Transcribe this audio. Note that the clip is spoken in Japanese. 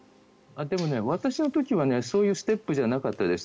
私の時はそういうステップじゃなかったです。